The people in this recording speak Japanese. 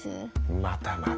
またまた。